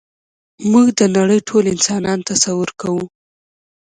موږ د نړۍ ټول انسانان تصور کوو.